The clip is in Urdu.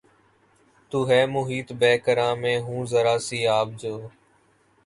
تو ہے محیط بیکراں میں ہوں ذرا سی آب جو